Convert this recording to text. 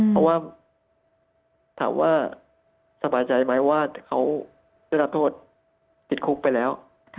เพราะว่าถามว่าสบายใจไหมว่าเขาได้รับโทษติดคุกไปแล้ว